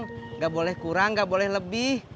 enggak boleh kurang enggak boleh lebih